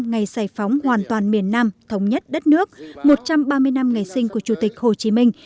ngày giải phóng hoàn toàn miền nam thống nhất đất nước một trăm ba mươi năm ngày sinh của chủ tịch hồ chí minh